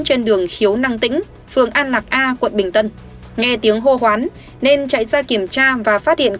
trên đường khiếu năng tĩnh phường an lạc a quận bình tân nghe tiếng hô hoán nên chạy ra kiểm tra